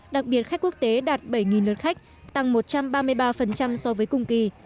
đặc biệt khách quốc tế đạt bảy lượt khách tăng một trăm ba mươi ba so với cùng kỳ